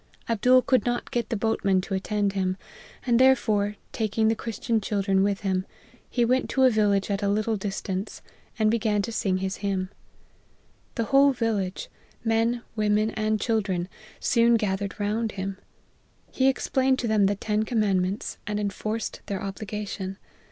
" Abdoft could not get the boatmen to attend him ; and therefore, taking the Christian children with him, he went to a village at a little distance, and began to sing his hymn. The whole village, men, women, and children, soon gathered round him ; he explained to them the ten commandments, and enforced their obligation.